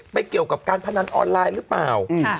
เกี่ยวกับการพนันออนไลน์หรือเปล่า